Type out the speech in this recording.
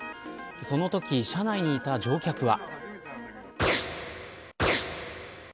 そのとき車内にいた乗客は。